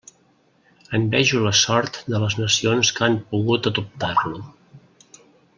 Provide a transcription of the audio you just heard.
Envejo la sort de les nacions que han pogut adoptar-lo.